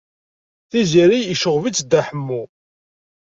Tiziri yecɣeb-itt Dda Ḥemmu.